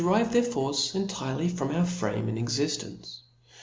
^'^ rive their force entirely from our frame and exiftence.